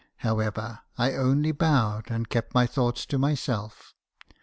However, I only bowed, and kept my thoughts to myself.